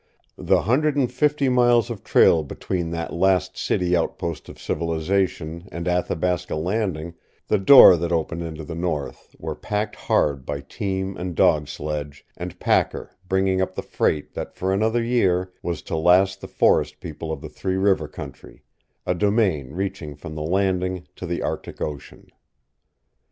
The hundred and fifty miles of trail between that last city outpost of civilization and Athabasca Landing, the door that opened into the North, were packed hard by team and dog sledge and packer bringing up the freight that for another year was to last the forest people of the Three River country a domain reaching from the Landing to the Arctic Ocean.